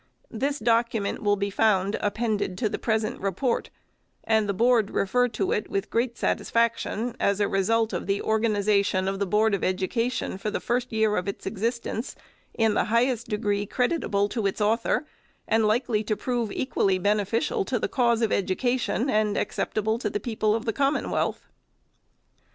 This document will be found appended to the present report, and the Board refer to it with great satisfaction, as a result of the organization of the Board of Education for the first year of its existence, in the highest degree creditable to its author, and likely to prove equally beneficial to the cause of education and acceptable to the people of the Com monwealth.